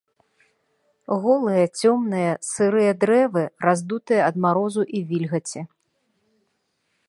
Голыя цёмныя сырыя дрэвы, раздутыя ад марозу і вільгаці.